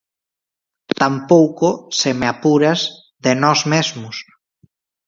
Tampouco, se me apuras, de nós mesmos.